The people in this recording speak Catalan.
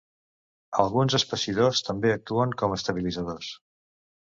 Alguns espessidors també actuen com estabilitzadors.